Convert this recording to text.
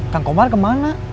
kang komar kemana